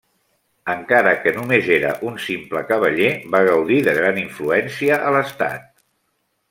Encara que només era un simple cavaller va gaudir de gran influència a l'estat.